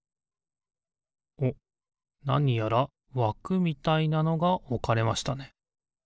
なにやらわくみたいなのがおかれましたね。